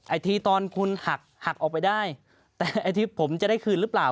อีกทีตอนคุณหักหักออกไปได้แต่ไอ้ที่ผมจะได้คืนหรือเปล่า